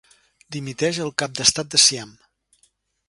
Dimiteix el cap d'estat de Siam.